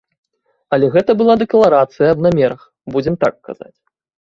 Але гэта была дэкларацыя аб намерах, будзем так казаць.